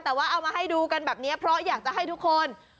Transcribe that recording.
แต่ว่าเอามาให้ดูกันแบบนี้เพราะอยากจะให้ทุกคน